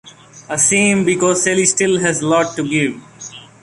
A shame because Shelley still has a lot to give.